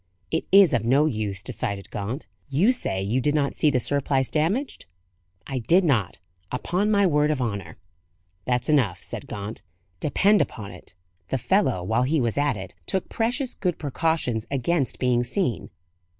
"It is of no use," decided Gaunt. "You say you did not see the surplice damaged?" "I did not; upon my word of honour." "That's enough," said Gaunt. "Depend upon it, the fellow, while he was at it, took precious good precautions against being seen.